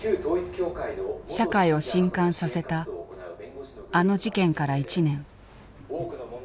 社会を震撼させたあの事件から１年。